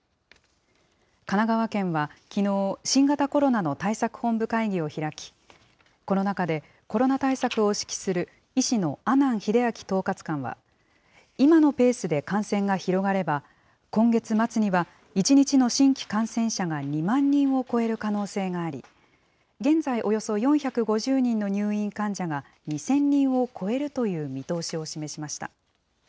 神奈川県はきのう、新型コロナの対策本部会議を開き、この中で、コロナ対策を指揮する医師の阿南英明統括官は、今のペースで感染が広がれば、今月末には１日の新規感染者が２万人を超える可能性があり、現在およそ４５０人の入院患者が２０００人を超えるという見通しを示しました。